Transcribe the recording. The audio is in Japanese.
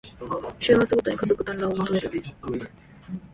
週末ごとに家族だんらんを求める